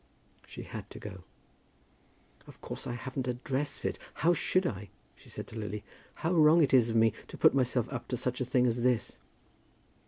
She had to go. "Of course I haven't a dress fit. How should I?" she said to Lily. "How wrong it is of me to put myself up to such a thing as this."